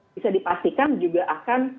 bisa dipastikan juga akan